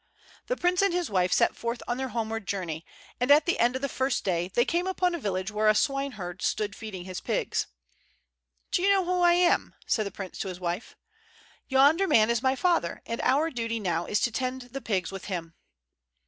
The prince and his wife set forth on their homeward journey, and at the end of the first day they came upon a village where a swineherd stood feeding his pigs. "Do you know who I am?" said the prince to his wife. "Yonder man is my father, and our duty now is to tend the pigs with him."